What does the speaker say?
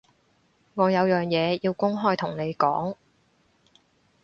我有樣嘢要公開同你講